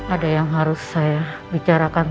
ada yang harus saya bicarakan